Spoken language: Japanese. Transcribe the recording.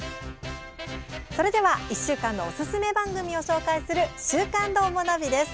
それでは１週間のおすすめ番組を紹介する「週刊どーもナビ」です。